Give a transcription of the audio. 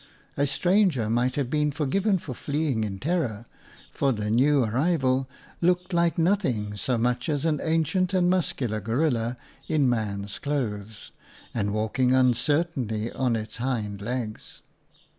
A stranger might have been forgiven for fleeing in terror, for the new arrival looked like nothing 4 OUTA KAREL'S STORIES so much as an ancient and muscular gorilla in man's clothes, and walking uncertainly on its hind legs.